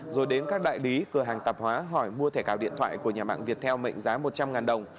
rồi đến các đại lý cửa hàng tạp hóa hỏi mua thẻ cào điện thoại của nhà mạng viettel mệnh giá một trăm linh đồng